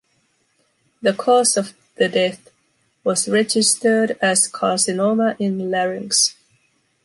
The cause of the death was registered as “carcinoma in larynx”.